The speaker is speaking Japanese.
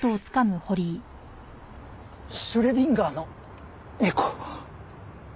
シュレディンガーの猫。